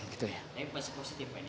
tapi masih positif